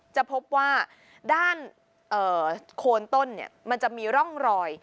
จะพบว่าด้านโคนต้นมันจะมีร่องรอย